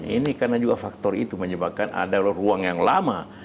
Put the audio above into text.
ini karena juga faktor itu menyebabkan ada ruang yang lama